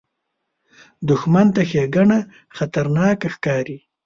دښمن ته ښېګڼه خطرناکه ښکاري